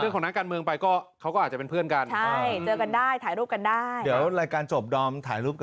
แปลว่าจริงจะไม่ค่อยถูกกันก็ตามอย่างนี้